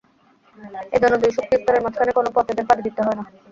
এ জন্য দুই শক্তিস্তরের মাঝখানের কোনো পথ এদের পাড়ি দিতে হয় না।